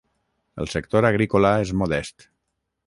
El sector agrícola és modest.